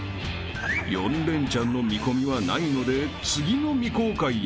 ［４レンチャンの見込みはないので次の未公開へ］